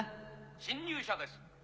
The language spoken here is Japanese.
侵入者です。